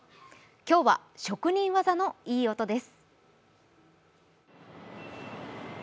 今日は職人技のいい音です。